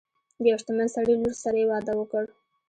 د یو شتمن سړي لور سره یې واده وکړ.